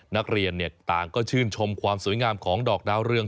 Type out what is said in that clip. นักเรียนต่างก็ชื่นชมความสวยงามของดอกดาวเรือง